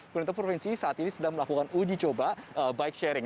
pemerintah provinsi saat ini sedang melakukan uji coba bike sharing